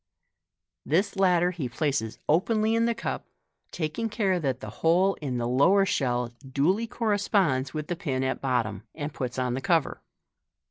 This latter he places openly in the cup, taking care that the hole in the lower shell duly corresponds with the pin at bottom, and puts on the cover.